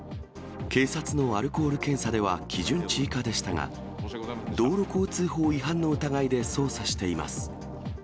警察のアルコール検査では基準値以下でしたが、道路交通法違反の疑いで捜査しています。